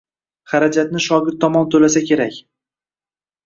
Xarajatni shogird tomon toʻlasa kerak.